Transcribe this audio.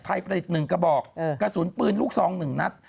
ไทยประดิษฐ์หนึ่งก็บอกกระสุนปืนลูกสองหนึ่งนัก